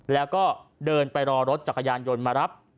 และเดินรอรถจักรยานโยนมารับ